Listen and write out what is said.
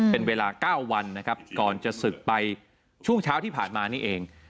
เป็นเวลา๙วันนะครับก่อนจะศึกไปช่วงเช้าที่ผ่านมานี่เอง